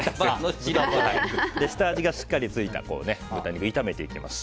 下味がしっかりとついた豚肉を炒めていきます。